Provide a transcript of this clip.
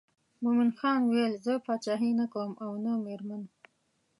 مومن خان ویل زه پاچهي نه کوم او نه مېرمن.